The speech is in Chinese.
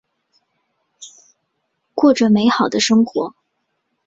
过着美好的生活。